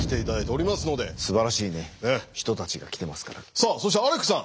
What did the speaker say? さあそしてアレックさん。